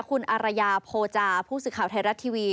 คุณอารยาโพจาผู้สื่อข่าวไทยรัฐทีวี